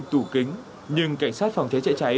tủ kính nhưng cảnh sát phòng cháy chữa cháy